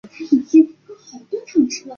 绿巨人浩克漫威电影宇宙